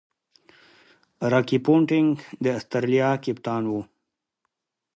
راكي پونټنګ د اسټرالیا کپتان وو.